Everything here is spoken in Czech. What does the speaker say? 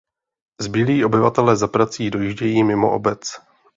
Zbylí obyvatelé za prací dojíždějí mimo obec.